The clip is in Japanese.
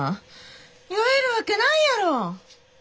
酔えるわけないやろ！